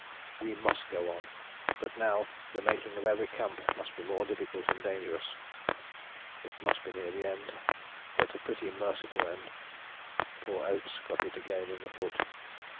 We must go on, but now the making of every camp must be more difficult and dangerous. It must be near the end, but a pretty merciful end. Poor Oates got it again in the foot.